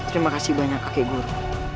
terima kasih banyak kakek guru